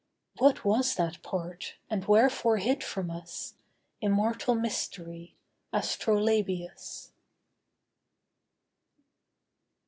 What was that part, and wherefore hid from us, Immortal mystery, Astrolabius!